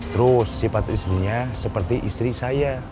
terus sifat istrinya seperti istri saya